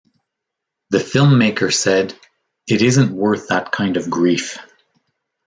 The filmmaker said, It isn't worth that kind of grief.